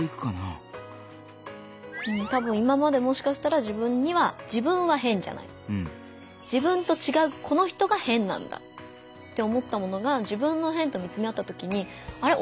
たぶん今までもしかしたら自分には「自分は変じゃない」。って思ったものが自分の「変」と見つめ合ったときに「あれ？